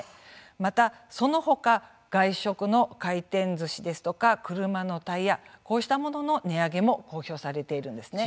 また、その他外食の回転ずしですとか車のタイヤ、こうしたものの値上げも公表されているんですね。